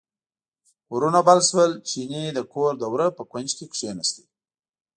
اورونه بل شول، چیني د کور د وره په کونج کې کیناست.